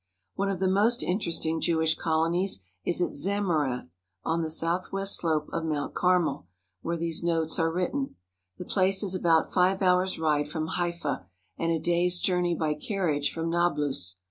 One of the most interesting Jewish colonies is at Zam marin on the southwest slope of Mount Carmel, where these notes are written. The place is about five hours* ride from Haifa, and a day's journey by carriage from Nablus.